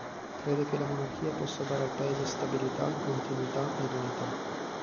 Crede che la monarchia possa dare al paese “stabilità, continuità ed unità”.